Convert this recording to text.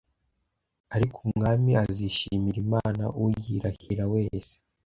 Ariko umwami azishimira Imana Uyirahira wese